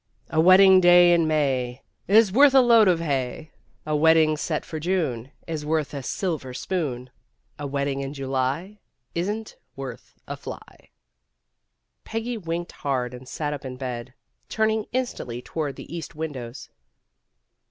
"A wedding day in May Is worth a load of hay. A wedding set for June Is worth a silver spoon. A wedding in July Isn't worth a fly." Peggy winked hard and sat up in bed, turning instantly toward the east windows.